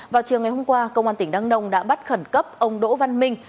vào chiều ngày hôm qua công an tỉnh đăng nông đã bắt khẩn cấp ông đỗ văn minh